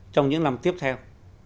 trong những năm tiếp theo